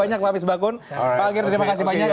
banyak pak fisbah kun pak anggir terima kasih banyak